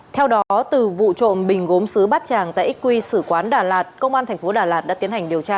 theo đó từ vụ trộm bình gốm xứ bắt chàng tại xq sử quán đà lạt công an tp đà lạt đã tiến hành điều tra